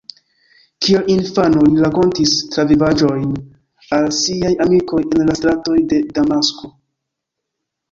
Kiel infano li rakontis travivaĵojn al siaj amikoj en la stratoj de Damasko.